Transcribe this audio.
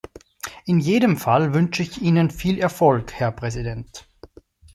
In jedem Fall wünsche ich Ihnen viel Erfolg, Herr Präsident.